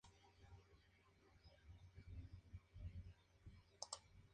Amanda es la segunda de cinco hijas.